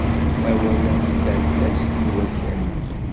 Awal am talast n wakal.